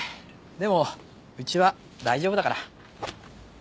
でもうちは大丈夫だから。